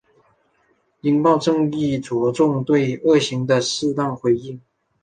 应报正义着重对恶行的适当回应。